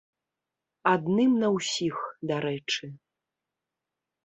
Адным на ўсіх, дарэчы.